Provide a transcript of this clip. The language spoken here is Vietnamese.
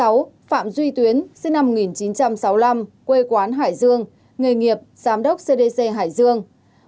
sáu phạm duy tuyến sinh năm một nghìn chín trăm sáu mươi năm quê quán hải dương nghề nghiệp giám đốc cdc hải dương